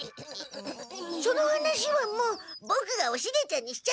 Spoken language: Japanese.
その話はもうボクがおシゲちゃんにしちゃったよ。